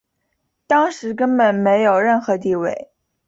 当时根本没有任何地位。